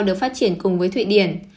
được phát triển cùng với thụy điển